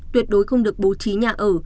tuyệt đối không được bố trí nhà ở